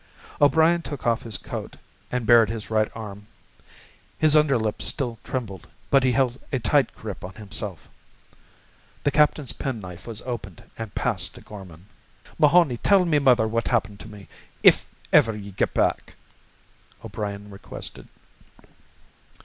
O'Brien took off his coat and bared his right arm. His under lip still trembled, but he held a tight grip on himself. The captain's penknife was opened and passed to Gorman. "Mahoney, tell me mother what happened to me, if ever ye get back," O'Brien requested.